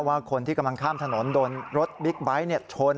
ว่าคนที่กำลังข้ามถนนโดนรถบิ๊กไบท์ชน